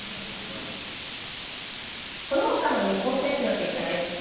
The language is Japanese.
このほかの日本選手の結果です。